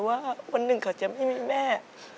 ว่าวันหนึ่งเขาจะไม่มีแม่